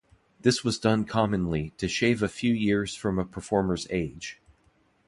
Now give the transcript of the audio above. This was done commonly, to shave a few years from a performer's age.